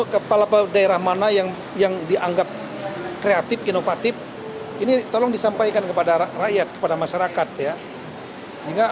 kepala daerah mana yang yang dianggap kreatif inovatif ini tolong disampaikan kepada rakyat kepada masyarakat ya